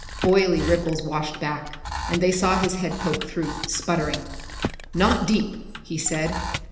Oily ripples washed back, and they saw his head poke through, sputtering. "Not deep," he said.